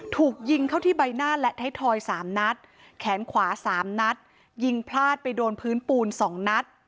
ถูกยิงเข้าที่ใบหน้าและไทยทอย๓นัดแขนขวา๓นัดยิงพลาดไปโดนพื้นปูน๒นัด